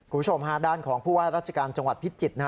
คุณผู้ชมฮะด้านของผู้ว่าราชการจังหวัดพิจิตร